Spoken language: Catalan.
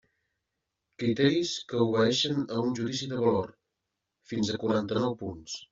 Criteris que obeeixen a un judici de valor: fins a quaranta-nou punts.